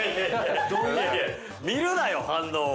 ◆見るなよ、反応を。